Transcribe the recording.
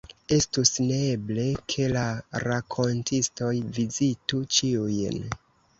Estus neeble, ke la rakontistoj vizitu ĉiujn.